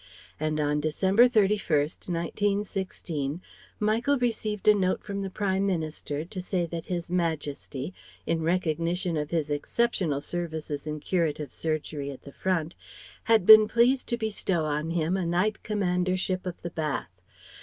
And on December 31, 1916, Michael received a note from the Prime Minister to say that His Majesty, in recognition of his exceptional services in curative surgery at the front, had been pleased to bestow on him a Knight Commandership of the Bath.